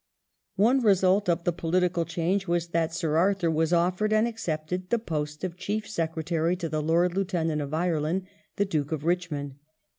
One result of the political change was that Sir Arthur was offered and accepted the post of Chief Secretary to the Lord Lieutenant of Ireland, the Duke of Eichmond.